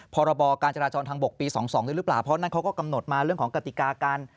พรบการจราจรทางบกปี๒๒ด้วยหรือเปล่าเพราะนั่นเขาก็กำหนดมาเรื่องของกติกาการ